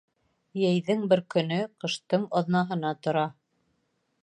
Йәйҙең бер көнө ҡыштың бер аҙнаһына тора.